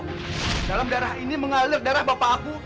dalam darah ini mengalir darah bapak aku